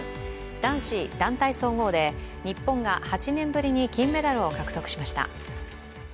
男子団体総合で日本が８年ぶりに金メダルを獲得しました。